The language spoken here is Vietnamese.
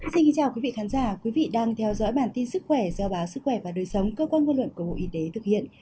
xin kính chào quý vị khán giả quý vị đang theo dõi bản tin sức khỏe do báo sức khỏe và đời sống cơ quan ngôn luận của bộ y tế thực hiện